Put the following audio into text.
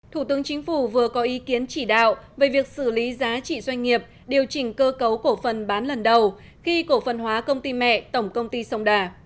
thủ tướng chính phủ vừa có ý kiến chỉ đạo về việc xử lý giá trị doanh nghiệp điều chỉnh cơ cấu cổ phần bán lần đầu khi cổ phần hóa công ty mẹ tổng công ty sông đà